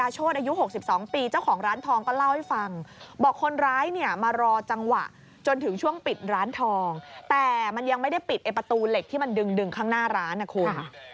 จนถึงช่วงปิดร้านทองแต่มันยังไม่ได้ปิดไอ้ประตูเหล็กที่มันดึงข้างหน้าร้านนะคุณ